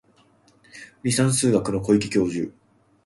離散数学の小池教授